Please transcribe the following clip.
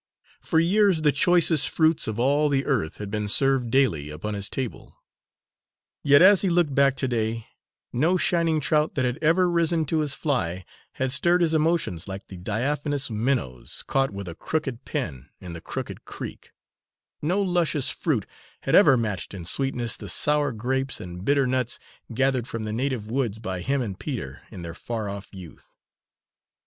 For years the choicest fruits of all the earth had been served daily upon his table. Yet as he looked back to day no shining trout that had ever risen to his fly had stirred his emotions like the diaphanous minnows, caught, with a crooked pin, in the crooked creek; no luscious fruit had ever matched in sweetness the sour grapes and bitter nuts gathered from the native woods by him and Peter in their far off youth.